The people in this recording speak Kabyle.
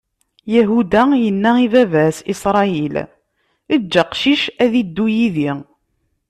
Yahuda yenna i baba-s, Isṛayil: Eǧǧ aqcic ad iddu yid-i.